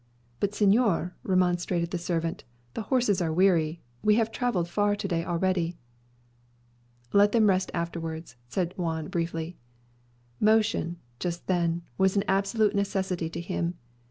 "But, señor," remonstrated the servant, "the horses are weary. We have travelled far to day already." "Let them rest afterwards," said Juan briefly. Motion, just then, was an absolute necessity to him.